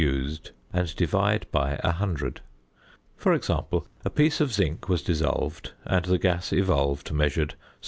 used and divide by 100._ For example: a piece of zinc was dissolved and the gas evolved measured 73.